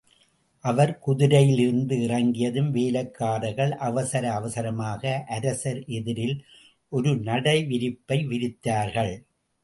அவர் குதிரையிலிருந்து இறங்கியதும் வேலைக்காரர்கள் அவசர அவசரமாக அரசர் எதிரில் ஒரு நடைவிரிப்பை விரித்தார்கள்.